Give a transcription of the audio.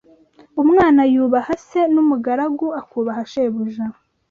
Umwana yubaha se, n’umugaragu akubaha shebuja